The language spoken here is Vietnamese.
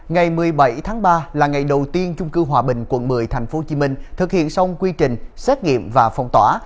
ngày một mươi bảy tháng ba là ngày đầu tiên chung cư hòa bình quận một mươi tp hcm thực hiện xong quy trình xét nghiệm và phong tỏa